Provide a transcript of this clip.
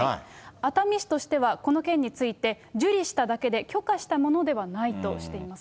熱海市としてはこの件について、受理しただけで、許可したものではないとしています。